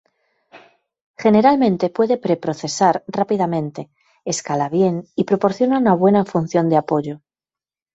Generalmente puede pre-procesar rápidamente, escala bien, y proporciona una buena función de apoyo.